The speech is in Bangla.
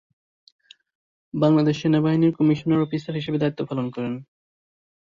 বাংলাদেশ সেনাবাহিনীর কমিশনার অফিসার হিসেবে দায়িত্ব পালন করেন।